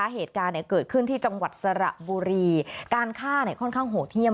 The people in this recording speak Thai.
เหตุการณ์เกิดขึ้นที่จังหวัดสระบุรีการฆ่าค่อนข้างโหดเยี่ยม